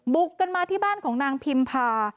บุกกันมาที่บ้านของนางพิมพา